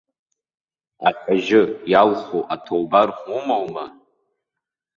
Аҳәажьы иалху аҭоубар умоума?